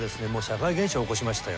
社会現象を起こしましたよね。